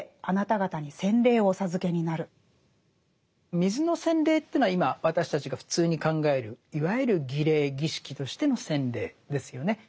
水の洗礼というのは今私たちが普通に考えるいわゆる儀礼儀式としての洗礼ですよね。